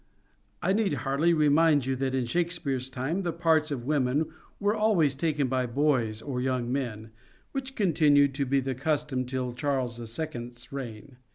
I need hardly remind you that in Shakespeare's time the parts of women were always taken by boys or young men, which continued to be the custom till Charles II. 's reign.